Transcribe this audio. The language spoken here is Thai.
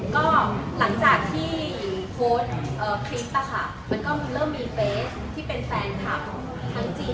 ก็หลังจากที่โพสต์คลิปนะคะมันก็เริ่มมีเป๊ะที่เป็นแฟนคลับทั้งจีน